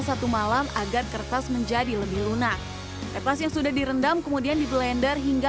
satu malam agar kertas menjadi lebih lunak petas yang sudah direndam kemudian di blender hingga